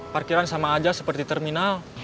parkiran sama aja seperti terminal